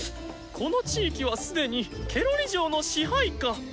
この地域は既にケロリ嬢の支配下。